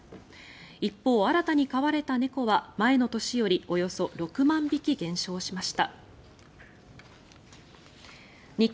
一方、新たに飼われた猫は前の年よりおよそ６万匹減少しました。